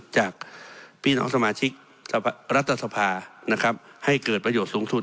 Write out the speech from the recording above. จากพี่น้องสมาชิกรัฐสภานะครับให้เกิดประโยชน์สูงสุด